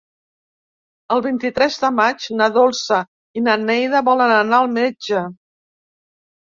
El vint-i-tres de maig na Dolça i na Neida volen anar al metge.